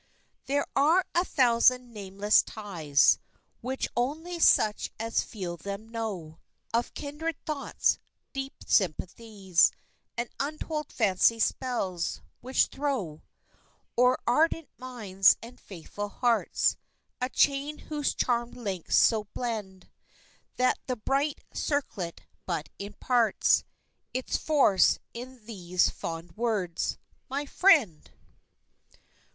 ] "There are a thousand nameless ties, Which only such as feel them know, Of kindred thoughts, deep sympathies, And untold fancy spells, which throw O'er ardent minds and faithful hearts A chain whose charmed links so blend That the bright circlet but imparts Its force in these fond words—'_My Friend!